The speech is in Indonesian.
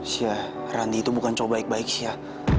sya randi itu bukan cowok baik baik sya